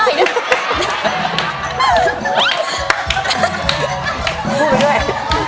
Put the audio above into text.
นักเอกดูด้วย